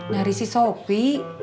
dari si sopi